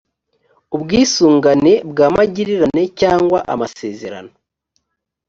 ubwisungane bwa magirirane cyangwa amasezerano